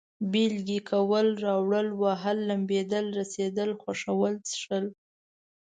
بېلگې: کول، راوړل، وهل، لمبېدل، رسېدل، خوړل، څښل